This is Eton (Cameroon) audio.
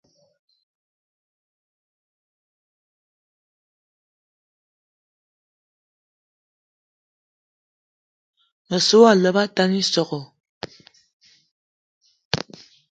Meso á lebá atane ísogò